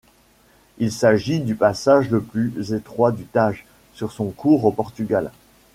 Il s'agit du passage le plus étroit du Tage sur son cours au Portugal.